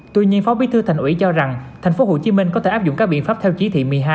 tuy nhiên phó bí thư thành ủy cho rằng tp hcm có thể áp dụng các biện pháp theo chỉ thị một mươi hai